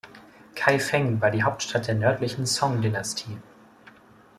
Kaifeng war die Hauptstadt der Nördlichen Song-Dynastie.